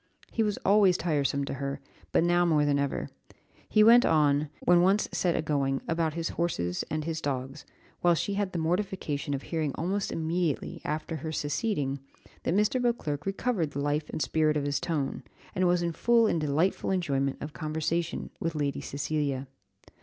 He was always tiresome to her, but now more than ever; he went on, when once set a going, about his horses and his dogs, while she had the mortification of hearing almost immediately after her seceding, that Mr. Beauclerc recovered the life and spirit of his tone, and was in full and delightful enjoyment of conversation with Lady Cecilia.